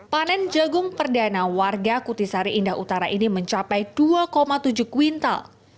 panen jagung perdana warga kutisari indah utara ini mencapai dua tujuh kuintal